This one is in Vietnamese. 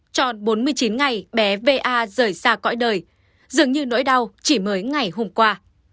tròn bốn mươi chín ngày bé va rời xa cõi đời dường như nỗi đau chỉ mới ngày hôm qua